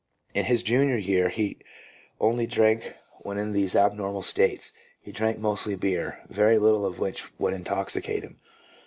In his junior year he only drank w r hen in these abnormal states. He drank mostly beer, very little of which would intoxicate him.